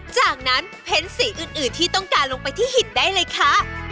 จากนั้นเพ้นสีอื่นที่ต้องการลงไปที่หินได้เลยค่ะ